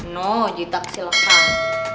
no jitak silahkan